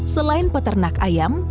selain peternak ayam